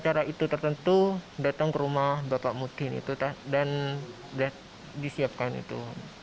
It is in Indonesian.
cara itu tertentu datang ke rumah bapak mutin itu dan disiapkan itu